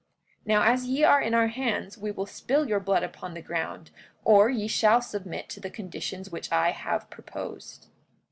Now as ye are in our hands we will spill your blood upon the ground, or ye shall submit to the conditions which I have proposed.